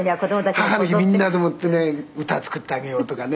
「母の日みんなでもってね“歌作ってあげよう”とかね